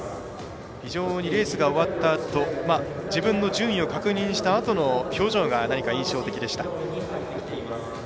非常にレースが終わったあと自分の順位を確認したあとの表情が印象的でした。